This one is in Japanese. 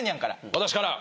私から。